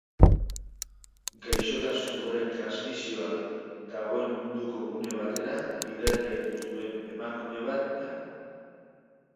Gaixotasun horren transmisioa dagoen munduko gune batera bidaiatu zuen emakume bat da.